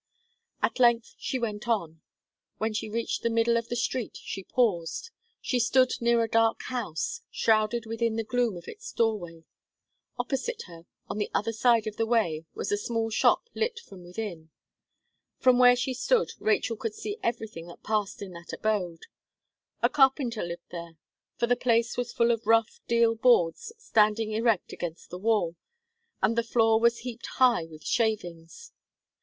At length she went on. When she reached the middle of the street she paused; she stood near a dark house, shrouded within the gloom of its doorway. Opposite her, on the other side of the way, was a small shop lit from within. From where she stood, Rachel could see everything that passed in that abode. A carpenter lived there, for the place was full of rough deal boards standing erect against the wall, and the floor was heaped high with shavings.